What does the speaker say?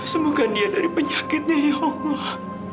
semoga dia dari penyakitnya ya allah